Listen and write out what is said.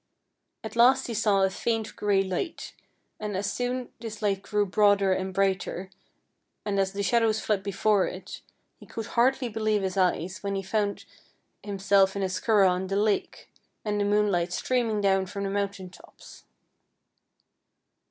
At last he saw a faint gray light, and soon this light grew broader and brighter, and as the shadows fled before it, he could hardly believe his eyes when he found hire THE HOUSE IN THE LAKE 37 self in his curragh on the lake, and the moonlight streaming down from the mountain tops.